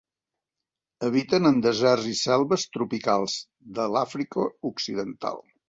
Habiten en deserts i selves tropicals d'Àfrica Occidental.